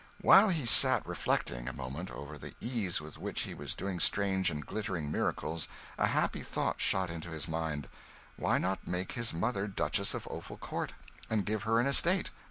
While he sat reflecting a moment over the ease with which he was doing strange and glittering miracles, a happy thought shot into his mind: why not make his mother Duchess of Offal Court, and give her an estate?